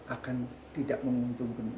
akan tidak menguntungkan ibu imas